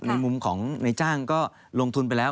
ในมุมของในจ้างก็ลงทุนไปแล้ว